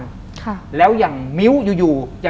ทำไมเขาถึงจะมาอยู่ที่นั่น